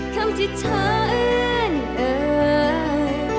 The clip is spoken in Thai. คำที่เธอเอื้อนเอ่ย